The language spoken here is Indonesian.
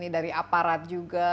dari aparat juga